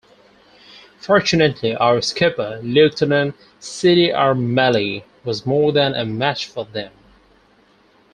Fortunately our skipper, Lieutenant Cdr Melly, was more than a match for them.